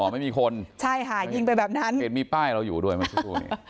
อ๋อไม่มีคนใช่หายิงไปแบบนั้นเป็นมีป้ายเราอยู่ด้วยมาสู้